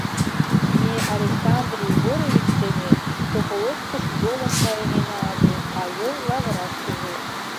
— Ме Александр Егорович дене Соколовкыш йолын кайынена ыле, а йол лавыраш пижеш.